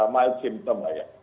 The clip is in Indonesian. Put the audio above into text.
mild symptom lah ya